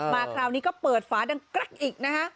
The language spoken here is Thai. คราวนี้ก็เปิดฝาดังกรั๊กอีกนะฮะ